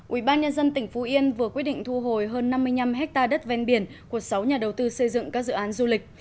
ủy ban nhân dân tỉnh phú yên vừa quyết định thu hồi hơn năm mươi năm hectare đất ven biển của sáu nhà đầu tư xây dựng các dự án du lịch